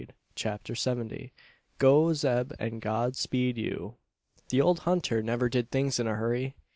CHAPTER SEVENTY. GO, ZEB, AND GOD SPEED YOU! The old hunter never did things in a hurry.